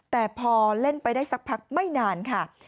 แต่พอเล่นไปได้สักพักไม่นานค่ะ